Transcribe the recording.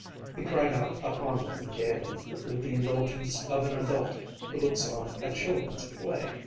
He cried out upon them gaily, with the indulgence of an adult who looks on at children's play.